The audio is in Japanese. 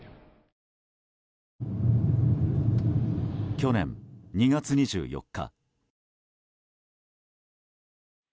去年２月２４日。